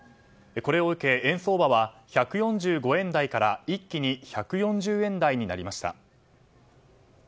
これを受け円相場は１４５円台から一気に１４０円台になりました。